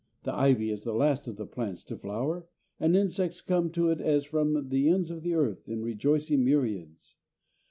The ivy is the last of the plants to flower, and insects come to it as from the ends of the earth in rejoicing myriads.